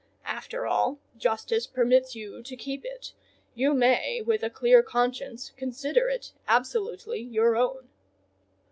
After all, justice permits you to keep it: you may, with a clear conscience, consider it absolutely your own."